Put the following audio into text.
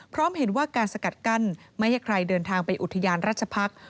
พร้อมเห็นว่าการสกัดกั้นไม่ให้ใครเดินทางไปอุทยานราชพักษ์